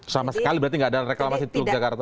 sama sekali berarti tidak ada reklamasi teluk jakarta